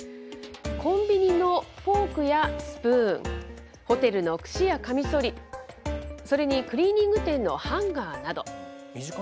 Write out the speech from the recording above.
コンビニのフォークやスプーン、ホテルのくしやかみそり、それにクリーニング店のハンガーなど。